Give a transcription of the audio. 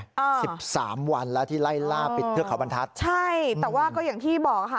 อ่าสิบสามวันแล้วที่ไล่ล่าปิดเทือกเขาบรรทัศน์ใช่แต่ว่าก็อย่างที่บอกค่ะ